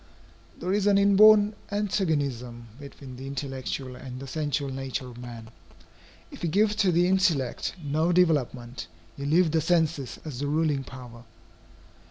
There is an inborn antagonism between the intellectual and the sensual nature of man. If you give to the intellect no development, you leave the senses as the ruling power.